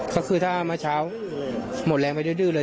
ก็คือถ้าเมื่อเช้าหมดแรงไปดื้อเลย